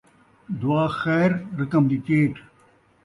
دعا خیر ، رقم دی چیٹ